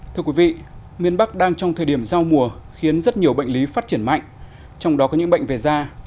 thưa quý vị miền bắc đang trong thời điểm giao mùa khiến rất nhiều bệnh lý phát triển mạnh trong đó có những bệnh về da